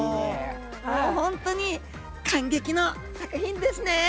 ほんとに感激の作品ですね！